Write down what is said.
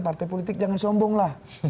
partai politik jangan sombong lah